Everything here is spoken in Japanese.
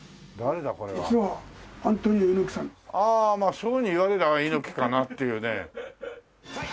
そういうふうに言われりゃあっ猪木かなっていうね。